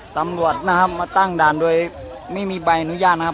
ตำรวจนะครับมาตั้งด่านโดยไม่มีใบอนุญาตนะครับ